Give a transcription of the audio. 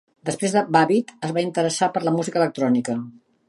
Després, Babbitt es va interessar per la música electrònica.